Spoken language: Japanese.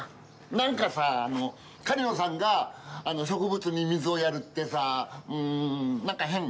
なんかさあの狩野さんが植物に水をやるってさんなんか変。